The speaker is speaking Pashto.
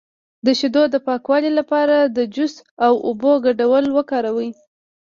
د شیدو د پاکوالي لپاره د جوش او اوبو ګډول وکاروئ